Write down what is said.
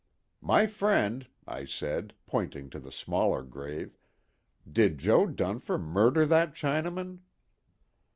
"My friend," I said, pointing to the smaller grave, "did Jo. Dunfer murder that Chinaman?"